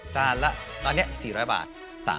จานละตอนนี้๔๐๐บาท